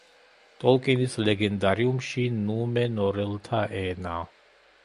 ტოლკინის ლეგენდარიუმში ნუმენორელთა ენა.